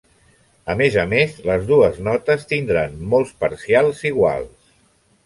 A més a més, les dues notes tindran molts parcials iguals.